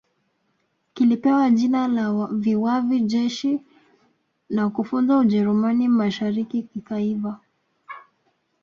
Kilipewa jina la Viwavi Jeshi na kufunzwa Ujerumani Mashariki kikaiva